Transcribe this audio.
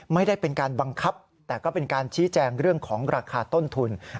ไม่ได้เป็นการบังคับแต่ก็เป็นการชี้แจงเรื่องของราคาต้นทุน